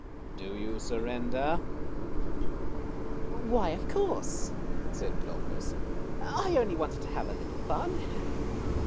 Do you surrender ?"" Why, of course," said Rudolphus. " I only wanted to have a little fun."